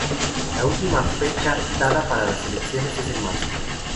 La última fecha dada para las elecciones es en marzo.